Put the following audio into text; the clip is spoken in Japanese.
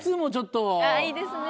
あっいいですね。